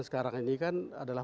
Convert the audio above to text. sekarang ini kan adalah